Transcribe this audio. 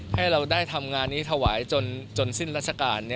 ให้เราได้ทำงานนี้ถวายจนสิ้นราชการ